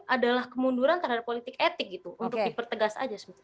adalah kemunduran antara politik etik gitu untuk dipertegas saja